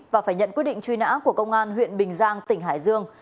và phải nhận quyết định truy nã của công an huyện bình giang tỉnh hải dương